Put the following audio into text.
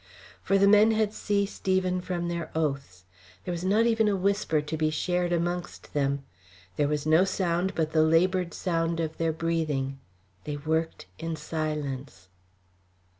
For the men had ceased even from their oaths. There was not even a whisper to be shared amongst them; there was no sound but the laboured sound of their breathing. They worked in silence.